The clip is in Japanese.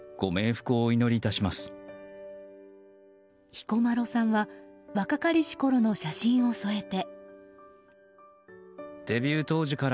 彦摩呂さんは若かりしころの写真を添えて。